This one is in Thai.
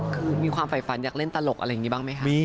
คือมีความฝ่ายฝันอยากเล่นตลกอะไรอย่างนี้บ้างไหมคะ